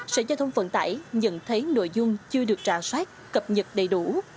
sở giao thông vận tải nhận thấy nội dung chưa được trả soát cập nhật đầy đủ